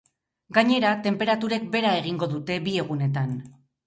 Gainera, tenperaturek behera egingo dute bi egunetan.